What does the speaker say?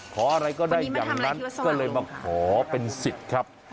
อะไรก็ได้อย่างนั้นก็เลยมาขอเป็นสิทธิ์ครับ